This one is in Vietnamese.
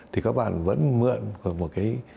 thì các bạn vẫn mượn một cái